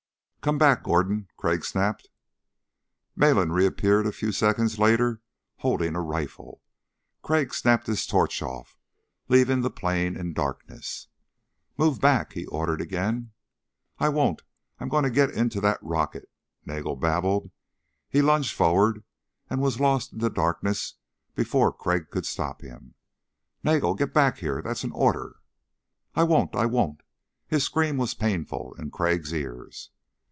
"Come back, Gordon," Crag snapped. Malin reappeared a few seconds later holding a rifle. Crag snapped his torch off, leaving the plain in darkness. "Move back," he ordered again. "I won't. I'm going to get into that rocket," Nagel babbled. He lunged forward and was lost in the darkness before Crag could stop him. "Nagel, get back here! That's an order." "I won't ... I won't!" His scream was painful in Crag's ears.